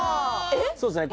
そうですね